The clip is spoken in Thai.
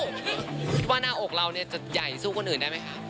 คิดว่าหน้าอกเราเนี่ยจะใหญ่สู้คนอื่นได้มั้ยคะ